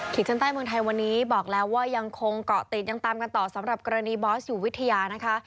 ชั้นใต้เมืองไทยวันนี้บอกแล้วว่ายังคงเกาะติดยังตามกันต่อสำหรับกรณีบอสอยู่วิทยานะคะ